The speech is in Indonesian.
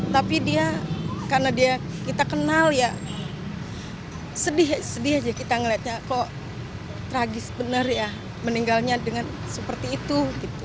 tapi dia karena dia kita kenal ya sedih sedih aja kita ngeliatnya kok tragis benar ya meninggalnya dengan seperti itu